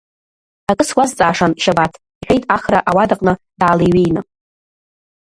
Акы суазҵаашан, Шьабаҭ, — иҳәеит Ахра ауадаҟны даалеиҩеины.